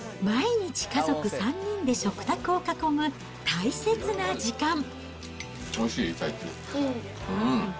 毎日、家族３人で食卓を囲む大切な時間。